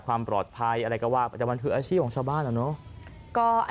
ความปลอดภัยอะไรก็ว่าแต่มันคืออาชีพของชาวบ้านแล้วเนอะ